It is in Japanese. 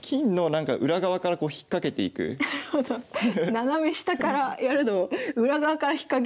斜め下からやるのを裏側から引っ掛ける。